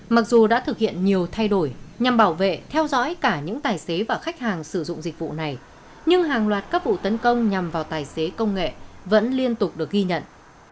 mặc dù đã thực hiện nhiều thay đổi nhằm bảo vệ theo dõi cả những tài xế và khách hàng sử dụng dịch vụ này nhưng hàng loạt các vụ tấn công nhằm vào tài xế công nghệ vẫn liên tục được ghi nhận